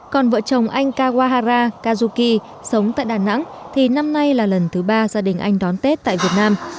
còn vợ chồng anh kawahara kazuki sống tại đà nẵng thì năm nay là lần thứ ba gia đình anh đón tết tại việt nam